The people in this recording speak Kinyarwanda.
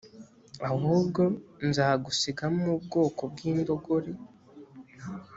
ahubwo nzagusigamo ubwoko bw indogore